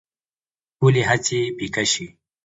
ټولې هڅې پيکه شي